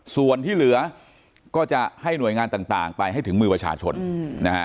ส่วนที่เหลือก็จะให้หน่วยงานต่างไปให้ถึงมือประชาชนนะฮะ